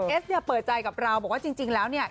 เอสเนี่ยเปิดใจกับเราบอกว่าจริงแล้วเนี่ย